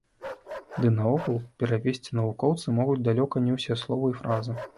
Ды наогул, перавесці навукоўцы могуць далёка не ўсе словы і фразы.